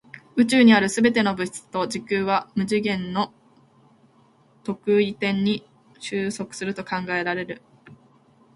宇宙にある全ての物質と時空は無次元の特異点に収束すると考えられる。